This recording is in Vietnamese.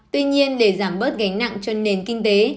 tuy nhiên để giảm bớt gánh nặng cho nền kinh tế